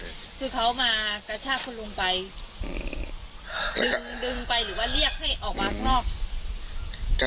คือเขามากระชากคุณลุงไปอืมดึงดึงไปหรือว่าเรียกให้ออกมาข้างนอก